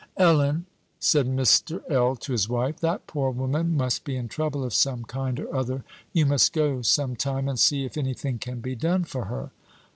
"Ellen," said Mr. L. to his wife; "that poor woman must be in trouble of some kind or other. You must go some time, and see if any thing can be done for her."